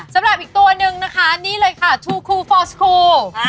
สำหรับอีกตัวนึงนะคะนี่เลยค่ะทูคูฟอสคู